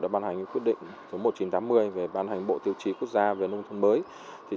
bán hành bộ tiêu chí quốc gia về nông thôn mới